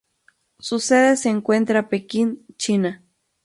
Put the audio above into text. Su sede se encuentra Pekin, China.